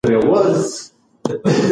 آیا د هغوی تکويني سير سره نښلول مهم دي؟